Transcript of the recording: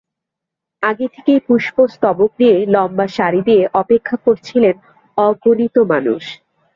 আগে থেকেই পুষ্পস্তবক নিয়ে লম্বা সারি দিয়ে অপেক্ষা করছিলেন অগণিত মানুষ।